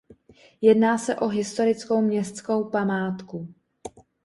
Jedná se o historickou městskou památku.